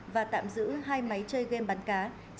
và tạm giữ hai máy chơi game bắn cá